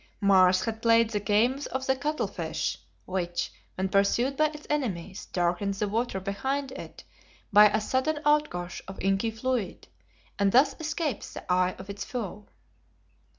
Mars had played the game of the cuttlefish, which, when pursued by its enemies, darkens the water behind it by a sudden outgush of inky fluid, and thus escapes the eye of its foe.